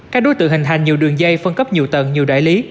các đối tượng hình thành nhiều đường dây phân cấp nhiều tầng nhiều đại lý